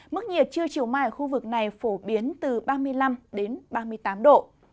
mức nhiệt chưa chiều mai ở khu vực này phổ biến từ ba mươi năm đến ba mươi tám độ